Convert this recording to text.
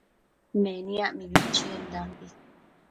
Meniac mibi chiendambi